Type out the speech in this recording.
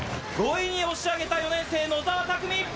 ５位に押し上げた４年生野澤巧理！